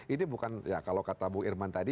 ini bukan ya kalau kata bu irman tadi